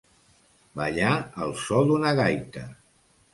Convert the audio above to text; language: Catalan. Ballar al so d'una gaita.